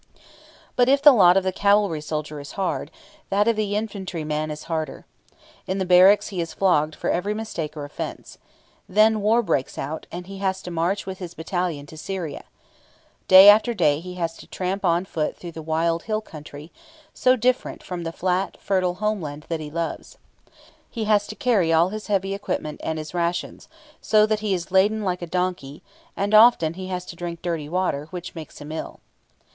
But if the lot of the cavalry soldier is hard, that of the infantry man is harder. In the barracks he is flogged for every mistake or offence. Then war breaks out, and he has to march with his battalion to Syria. Day after day he has to tramp on foot through the wild hill country, so different from the flat, fertile homeland that he loves. He has to carry all his heavy equipment and his rations, so that he is laden like a donkey; and often he has to drink dirty water, which makes him ill.